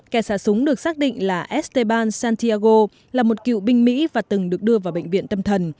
kẻ xả súng được xác định là steban santiago là một cựu binh mỹ và từng được đưa vào bệnh viện tâm thần